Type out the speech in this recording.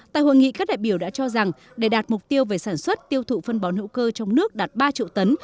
tại hội nghị các đại biểu đã cho rằng để đạt mục tiêu về sản xuất tiêu thụ phân bón hữu cơ trong nước đạt ba triệu tấn